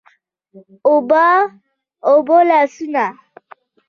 اوبه، اوبه لاسونه